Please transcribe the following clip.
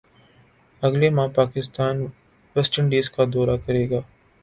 اگلے ماہ Pakistan West Indies کا دورہ کرے گا